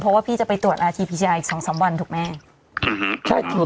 เพราะว่าพี่จะไปตรวจอ่าอีกสองสามวันถูกไหมอื้อฮือใช่